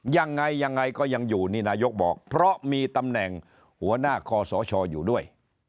ยังไงยังไงก็ยังอยู่นี่นายกบอกเพราะมีตำแหน่งหัวหน้าคอสชอยู่ด้วย